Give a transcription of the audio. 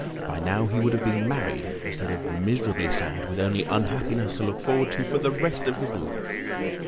By now he would have been married, instead of miserably sad with only unhappiness to look forward to for the rest of his life.